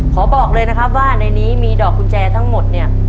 บอกเลยนะครับว่าในนี้มีดอกกุญแจทั้งหมดเนี่ย